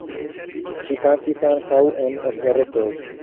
Ŝi kantis ankaŭ en operetoj.